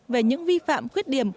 về những vi phạm khuyết điểm